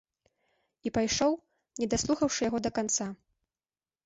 І пайшоў, не даслухаўшы яго да канца.